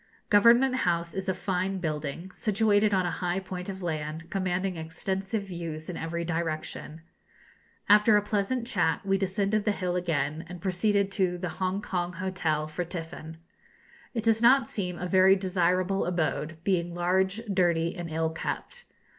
Government House is a fine building, situated on a high point of land, commanding extensive views in every direction. After a pleasant chat we descended the hill again, and proceeded to the Hongkong hotel for tiffin. It does not seem a very desirable abode, being large, dirty, and ill kept.